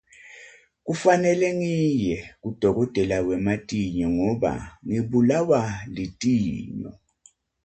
Kufanele ngiye kudokotela wematinyo ngoba ngibulawa litinyo.